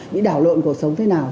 bị đảo lộn cuộc sống thế nào